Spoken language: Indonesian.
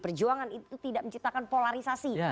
perjuangan itu tidak menciptakan polarisasi